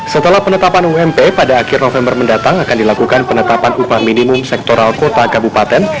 setelah penetapan ump pada akhir november mendatang akan dilakukan penetapan upah minimum sektoral kota kabupaten